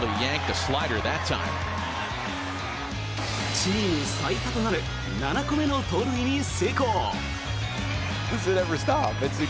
チーム最多となる７個目の盗塁に成功。